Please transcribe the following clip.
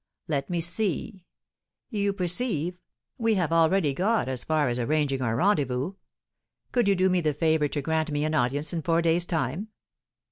"Let me see! You perceive, we have already got as far as arranging our rendezvous. Could you do me the favour to grant me an audience in four days' time?"